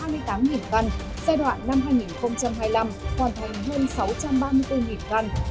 giai đoạn năm hai nghìn hai mươi năm hoàn thành hơn sáu trăm ba mươi bốn căn